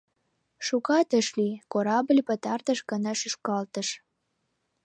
Шукат ыш лий, корабль пытартыш гана шӱшкалтыш.